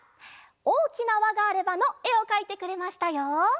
「おおきなわがあれば」のえをかいてくれましたよ。